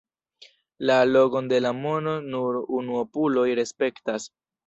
La allogon de la mono nur unuopuloj respektas.